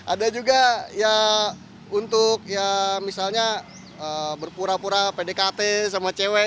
ada juga ya untuk ya misalnya berpura pura pdkt sama cewek